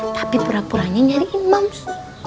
tapi pura puranya nyariin monse